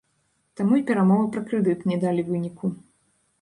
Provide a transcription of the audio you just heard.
Таму і перамовы пра крэдыт не далі выніку.